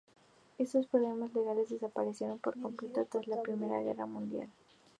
Estos problemas legales desaparecieron por completo tras la Primera Guerra Mundial.